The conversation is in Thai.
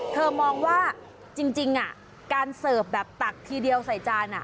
มองว่าจริงการเสิร์ฟแบบตักทีเดียวใส่จาน